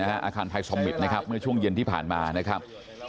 อาคารไทยซอมมิตเนี่ยครับในช่วงเย็นที่ผ่านมานะครับ